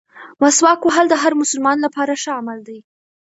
مسواک وهل د هر مسلمان لپاره ښه عمل دی.